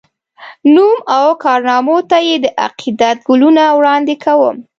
نوم او کارنامو ته یې د عقیدت ګلونه وړاندي کوم